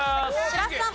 白洲さん。